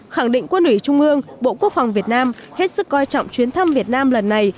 khẳng định quân ủy trung ương bộ quốc phòng việt nam hết sức coi trọng chuyến thăm việt nam lần này